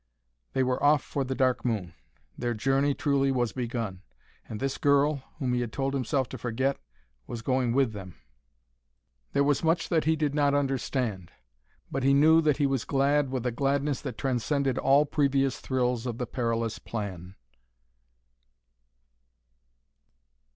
They were off for the Dark Moon: their journey, truly, was begun. And this girl, whom he had told himself to forget, was going with them. There was much that he did not understand, but he knew that he was glad with a gladness that transcended all previous thrills of the perilous plan.